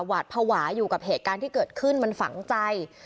หวาดภาวะอยู่กับเหตุการณ์ที่เกิดขึ้นมันฝังใจ